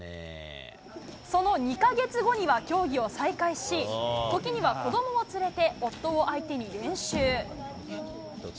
その２か月後には競技を再開し、時には子どもも連れて、夫を相手に練習。